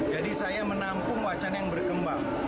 jadi saya menampung wacana yang berkembang